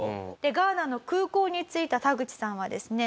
ガーナの空港に着いたタグチさんはですね